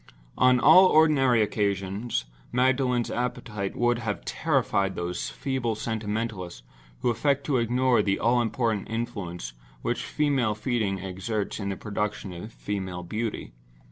On all ordinary occasions Magdalen's appetite would have terrified those feeble sentimentalists who affect to ignore the all important influence which female feeding exerts in the production of female beauty.